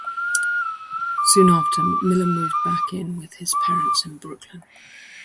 Soon after, Miller moved back in with his parents in Brooklyn.